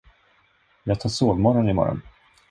Jag tar sovmorgon i morgon.